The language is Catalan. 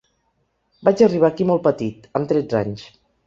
Vaig arribar aquí molt petit, amb tretze anys.